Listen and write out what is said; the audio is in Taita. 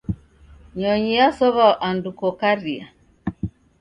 Nyonyi yasow'a andu kokaria.